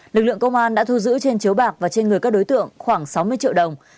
lực lượng công an đã thu giữ trên chiếu bạc và trên người các đối tượng khoảng sáu mươi triệu đồng